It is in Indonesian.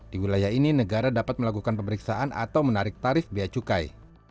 di wilayah ini negara dapat melakukan pemeriksaan atau menarik tarif biaya cukai